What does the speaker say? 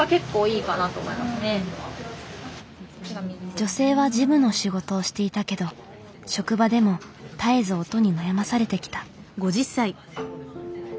女性は事務の仕事をしていたけど職場でも絶えず音に悩まされてきた。